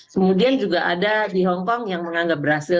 kemudian juga ada di hongkong yang menganggap brazil